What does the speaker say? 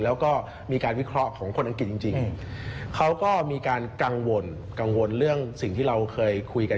แล้วก็มีการวิเคราะห์ของคนอังกฤษจริงเขาก็มีการกังวลกังวลเรื่องสิ่งที่เราเคยคุยกัน